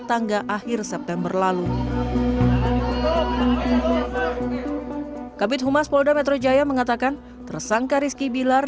tangga akhir september lalu kabit humas polda metro jaya mengatakan tersangka rizky bilar